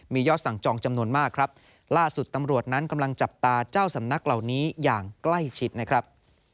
มียอดสั่งจองจำนวนมากครับล่าสุดตำรวจนั้นกำลังจับตาเจ้าสำนักเหล่านี้อย่างใกล้ชิดนะครับ